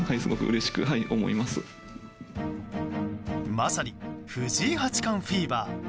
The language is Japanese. まさに、藤井八冠フィーバー。